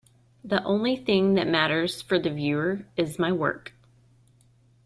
The only thing that matters for the viewer is my work.